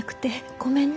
ごめんね。